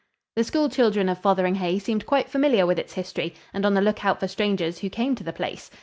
The school children of Fotheringhay seemed quite familiar with its history and on the lookout for strangers who came to the place.